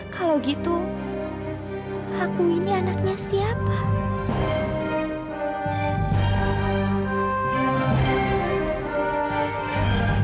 kalau gitu aku ini anaknya siapa